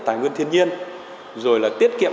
tài nguyên thiên nhiên rồi là tiết kiệm